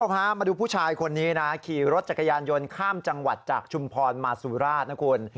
พามาดูผู้ชายคนนี้นะขี่รถจักรยานยนต์ข้ามจังหวัดจากชุมพรมาสุราชนะคุณ